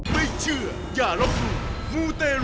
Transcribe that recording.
ไม่เชื่ออย่ารับรูครับ